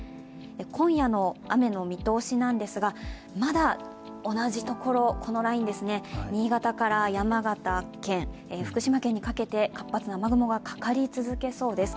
今夜の雨の見通しなんですがまだ同じところ、このラインですね、新潟から山形県、福島県にかけて活発な雨雲がかかり続けそうです。